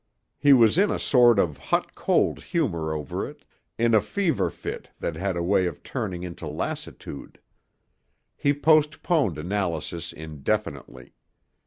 He was in a sort of hot cold humor over it, in a fever fit that had a way of turning into lassitude. He postponed analysis indefinitely.